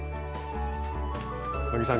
野木さん